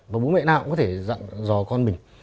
và bố mẹ nào cũng có thể dặn dò con mình